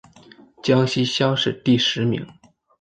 江西乡试第十名。